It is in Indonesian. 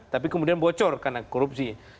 tapi kemudian bocor karena korupsi